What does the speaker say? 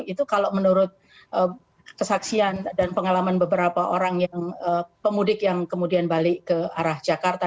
itu kalau menurut kesaksian dan pengalaman beberapa orang yang pemudik yang kemudian balik ke arah jakarta